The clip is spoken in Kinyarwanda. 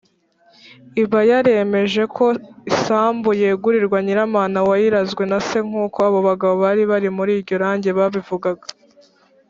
iba yaremeje ko isambu yegurirwa nyiramana wayirazwe na se nk’uko abo bagabo bari bari muri iryo rage babivugaga.